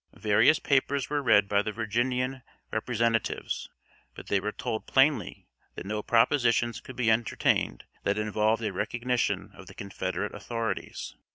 Various papers were read by the Virginian representatives, but they were told plainly that no propositions could be entertained that involved a recognition of the Confederate authorities.